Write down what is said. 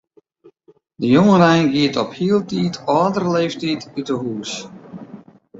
De jongerein giet op hieltyd âldere leeftiid út 'e hûs.